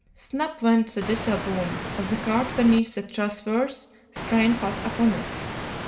"Snap went the disselboom of the cart beneath the transverse strain put upon it.